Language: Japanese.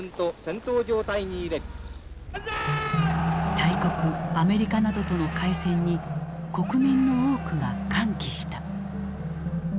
大国アメリカなどとの開戦に国民の多くが歓喜した。